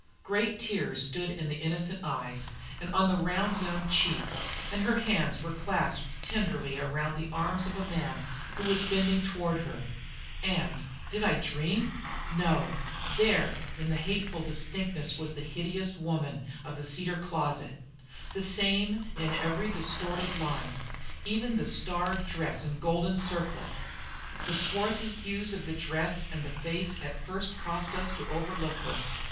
Great tears stood in the innocent eyes and on the round young cheeks, and her hands were clasped tenderly around the arms of a man who was bending toward her, and, did I dream? no, there in hateful distinctness was the hideous woman of the Cedar Closet the same in every distorted line, even to the starred dress and golden circlet. The swarthy hues of the dress and face had at first caused us to overlook her.